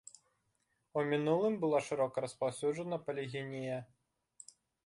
У мінулым была шырока распаўсюджана палігінія.